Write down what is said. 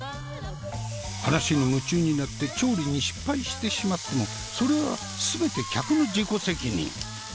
話に夢中になって調理に失敗してしまってもそれは全て客の自己責任。